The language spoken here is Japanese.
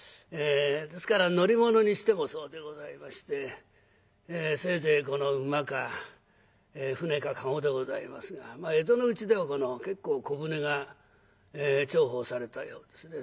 ですから乗り物にしてもそうでございましてせいぜいこの馬か舟か駕籠でございますが江戸のうちではこの結構小舟が重宝されたようですね。